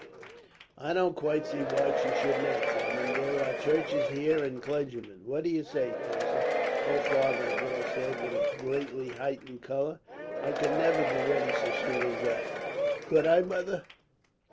"I don't quite see why she should not, Drummond. There are churches here, and clergymen. "What do you say, Thirza?" "Oh, father," the girl said, with a greatly heightened colour, "I could never be ready so soon as that! "Could I, mother?"